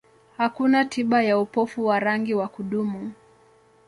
Hakuna tiba ya upofu wa rangi wa kudumu.